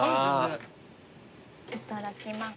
いただきます。